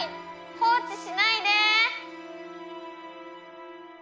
放置しないで。